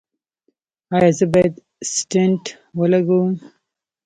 ایا زه باید سټنټ ولګوم؟